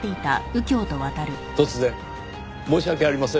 突然申し訳ありませんでしたね。